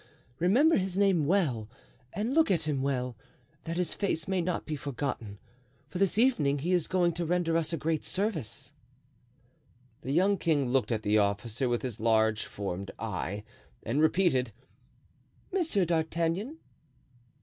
Remember his name well and look at him well, that his face may not be forgotten, for this evening he is going to render us a great service." The young king looked at the officer with his large formed eye, and repeated: "Monsieur d'Artagnan."